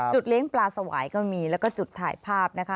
เลี้ยงปลาสวายก็มีแล้วก็จุดถ่ายภาพนะคะ